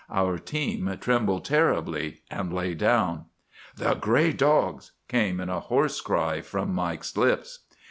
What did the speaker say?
Our team trembled terribly and lay down. "'The gray dogs!' came in a hoarse cry from Mike's lips.